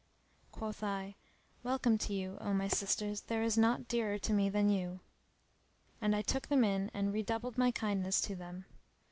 Quoth I, "Welcome to you, O my sisters, there is naught dearer to me than you." And I took them in and redoubled my kindness to them.